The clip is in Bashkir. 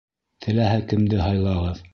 Теләһә кемде һайлағыҙ.